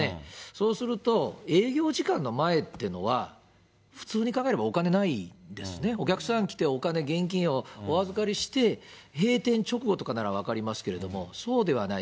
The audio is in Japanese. そうすると、営業時間の前ってのは、普通に考えればお金ないですね、お客さん来て、お金、現金をお預かりして、閉店直後とかなら分かりますけれども、そうではない。